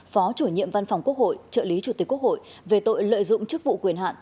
phó chủ nhiệm văn phòng quốc hội trợ lý chủ tịch quốc hội về tội lợi dụng chức vụ quyền hạn